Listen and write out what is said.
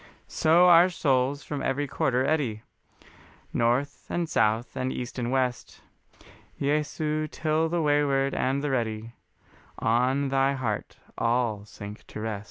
So our souls from every quarter eddy, North and South and East and West, Jesu, till the wayward and the ready On thy heart all sink to rest.